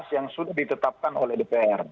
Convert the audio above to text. yang sudah ditetapkan oleh dpr